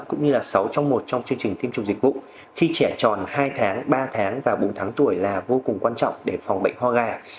cũng như là sáu trong một trong chương trình tiêm chủng dịch vụ khi trẻ tròn hai tháng ba tháng và bốn tháng tuổi là vô cùng quan trọng để phòng bệnh ho gà